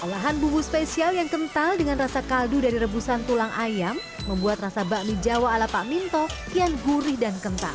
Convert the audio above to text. olahan bumbu spesial yang kental dengan rasa kaldu dari rebusan tulang ayam membuat rasa bakmi jawa ala pak minto kian gurih dan kental